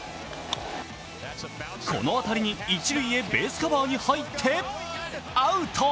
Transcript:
この当たりに一塁へベースカバーに入ってアウト。